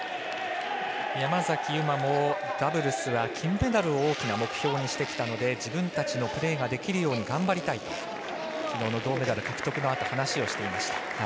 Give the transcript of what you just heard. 山崎悠麻もダブルスは金メダルを大きな目標にしてきたので自分たちのペアができるように頑張りたいときのうの銅メダル獲得のあと話していました。